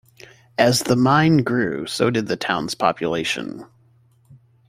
As the mine grew, so did the town's population.